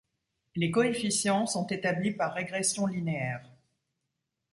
Les coefficients sont établis par régression linéaire.